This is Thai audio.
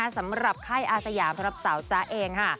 สำหรับค่ายอาสยามสำหรับสาวจ๊ะเองค่ะ